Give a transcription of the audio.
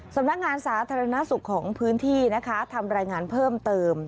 สำนักงานสาธารณสุขของพื้นที่นะคะทำรายงานเพิ่มเติม